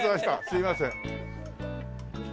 すいません。